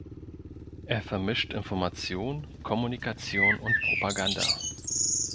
Er vermischt Information, Kommunikation und Propaganda.